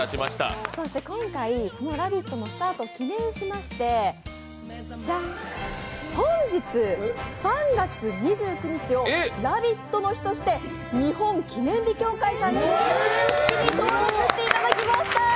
そして今回、その「ラヴィット！」のスタートを記念しましてジャン、本日、３月２９日を「ラヴィット！」の日として日本記念日協会さんに登録させていただきました。